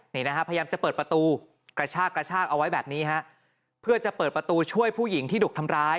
นี่นะฮะพยายามจะเปิดประตูกระชากกระชากเอาไว้แบบนี้ฮะเพื่อจะเปิดประตูช่วยผู้หญิงที่ดุทำร้าย